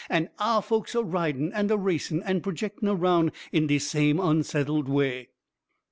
An' ouah folks a ridin' and a racin' and projickin' aroun' in de same onsettled way.